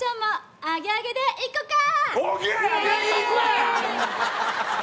アゲアゲでいくわ！